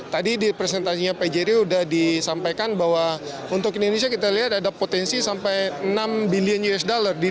tadi di presentasinya pak jerry sudah disampaikan bahwa untuk indonesia kita lihat ada potensi sampai enam bilion usd di dua ribu dua puluh enam